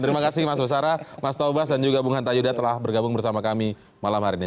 terima kasih mas usara mas tobas dan juga bung hanta yuda telah bergabung bersama kami malam hari ini